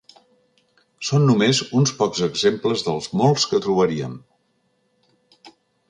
Són només uns pocs exemples dels molts que trobaríem.